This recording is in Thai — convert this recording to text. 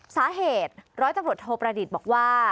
สาเหตุร้อยตำรวจโทประดิษฐ์บอกว่า